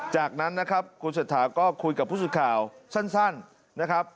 จากนั้นนะครับคุณเศรษฐาก็คุยกับผู้สื่อข่าวสั้นนะครับ